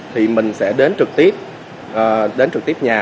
thì mình sẽ đến trực tiếp đến trực tiếp nhà